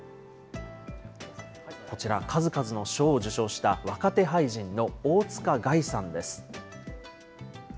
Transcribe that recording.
こちら、数々の賞を受賞した若手俳人の大塚凱さんです。